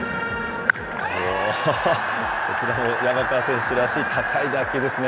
おー、こちらも山川選手らしい、高い打球ですね。